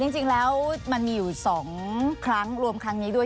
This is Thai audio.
จริงแล้วมันมีอยู่๒ครั้งรวมครั้งนี้ด้วย